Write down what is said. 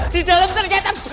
di dalam ternyata